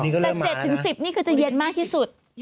แต่๗๑๐นี่คือจะเย็นมากที่สุด